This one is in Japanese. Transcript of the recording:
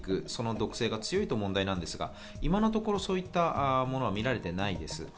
毒性が強いと問題ですが今のところ、そういったものは見られていないです。